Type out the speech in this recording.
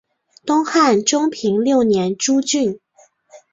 东汉中平六年诸郡。